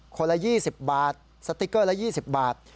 ละ๒๐บาทสติ๊กเกอร์ละ๒๐บาท